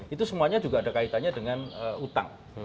itu semuanya juga ada kaitannya dengan utang